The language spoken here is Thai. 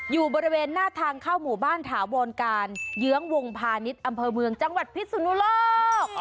อยู่บริเวณหน้าทางเข้าหมู่บ้านถาวรการเยื้องวงพาณิชย์อำเภอเมืองจังหวัดพิสุนุโลก